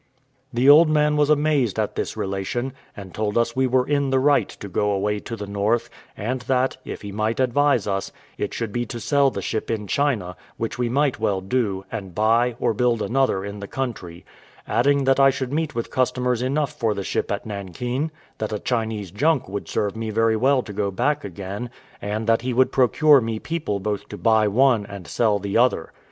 The old man was amazed at this relation, and told us we were in the right to go away to the north; and that, if he might advise us, it should be to sell the ship in China, which we might well do, and buy, or build another in the country; adding that I should meet with customers enough for the ship at Nankin, that a Chinese junk would serve me very well to go back again, and that he would procure me people both to buy one and sell the other.